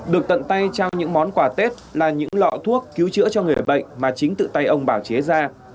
được tận tay trao những món quà tết là những lọ thuốc cứu chữa cho người bệnh mà chính tự tay ông bảo chế ra